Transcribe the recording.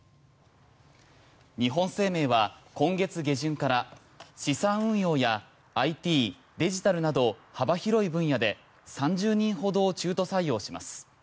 日本生命は今月下旬から資産運用やＩＴ・デジタルなど幅広い分野で３０人ほどを中途採用します。